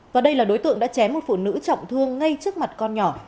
và đây là đối tượng đã chém một phụ nữ trọng thương ngay trước mặt con nhỏ